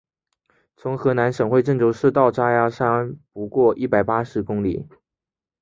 从河南省会郑州市到嵖岈山不过一百八十公里。